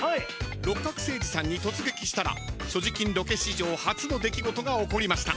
［六角精児さんに突撃したら所持金ロケ史上初の出来事が起こりました］